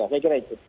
saya kira itu